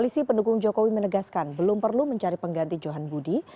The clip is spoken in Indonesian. saya juga memutuskan untuk tidak mencari pengganti jokowi maruf amin